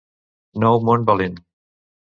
Nou món valent